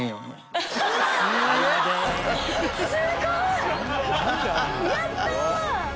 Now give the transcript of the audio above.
すごい！やった！